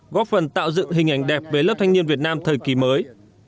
góp phần tạo dựng hình ảnh đẹp về lớp thanh niên việt nam thời kỳ mới